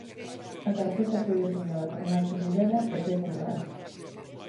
A carpeta foi deseñada por Nacho Rivera e P. Currás.